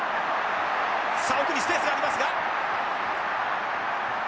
さあ奥にスペースがありますが。